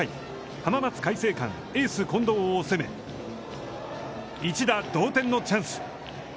浜松開誠館エース近藤を攻め、一打同点のチャンス。